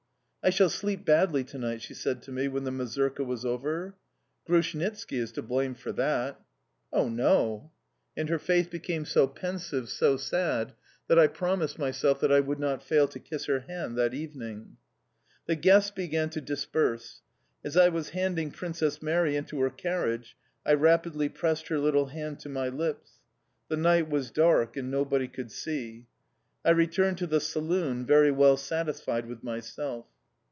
"I shall sleep badly to night," she said to me when the mazurka was over. "Grushnitski is to blame for that." "Oh, no!" And her face became so pensive, so sad, that I promised myself that I would not fail to kiss her hand that evening. The guests began to disperse. As I was handing Princess Mary into her carriage, I rapidly pressed her little hand to my lips. The night was dark and nobody could see. I returned to the saloon very well satisfied with myself.